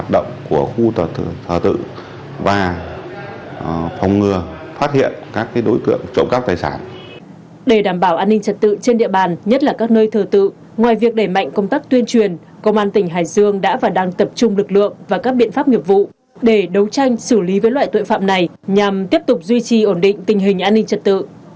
để đảm bảo an ninh trật tự trên địa bàn nhất là các nơi thờ tự ngoài việc đẩy mạnh công tác tuyên truyền công an tỉnh hải dương đã và đang tập trung lực lượng và các biện pháp nghiệp vụ để đấu tranh xử lý với loại tội phạm này nhằm tiếp tục duy trì ổn định tình hình an ninh trật tự